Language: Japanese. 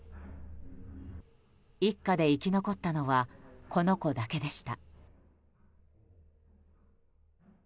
一家で生き残ったのはこの子だけでした。